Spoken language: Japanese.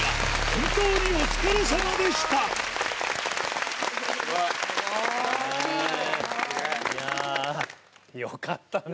本当にお疲れさまでしたいやぁよかったね。